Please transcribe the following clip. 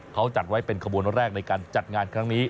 เขาจัดไว้เป็นขบวนแรกในการจัดงานครั้งนี้